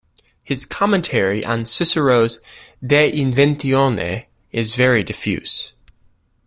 His commentary on Cicero's "De Inventione" is very diffuse.